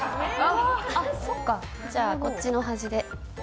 あそうかじゃあこっちの端で。